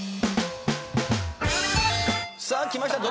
さあきました。